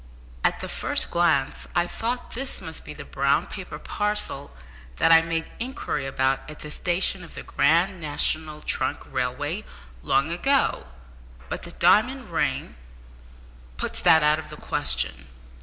"At the first glance I thought that this must be the brown paper parcel that I made inquiry about at the station of the Grand National Trunk Railway long ago, but the diamond ring puts that out of the question.